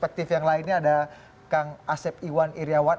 perspektif yang lainnya ada kang asep iwan iryawan